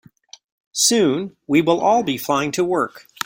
Soon, we will all be flying to work.